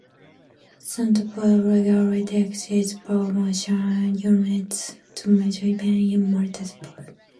Santa Pod regularly takes its promotional units to major events in motor sport.